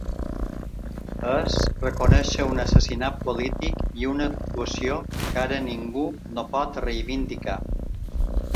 És reconèixer un assassinat polític i una actuació que ara ningú no pot reivindicar.